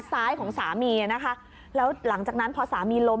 ซ้ายของสามีนะคะแล้วหลังจากนั้นพอสามีล้ม